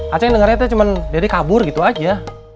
acing dengarnya itu cuma dede kabur gitu aja